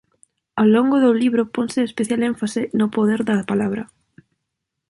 Ao longo do libro ponse especial énfase no poder da palabra.